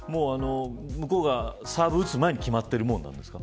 向こうがサーブ打つ前に決まってるんですか。